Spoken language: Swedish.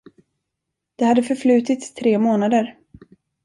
Det hade förflutit tre månader.